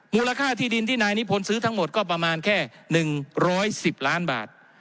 มูลค่าที่ดินที่นายนิพนธ์ซื้อทั้งหมดก็ประมาณแค่๑๑๐ล้านบาท